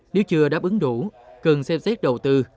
nếu chưa đáp ứng đủ cần xem xét đầu tư